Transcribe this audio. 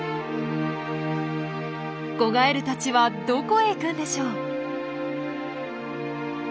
子ガエルたちはどこへ行くんでしょう？